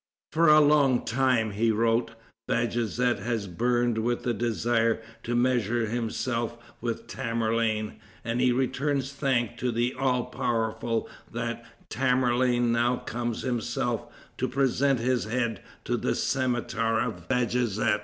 "For a long time," he wrote, "Bajazet has burned with the desire to measure himself with Tamerlane, and he returns thanks to the All powerful that Tamerlane now comes himself, to present his head to the cimeter of Bajazet."